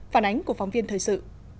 phản ánh của phóng viên thời sự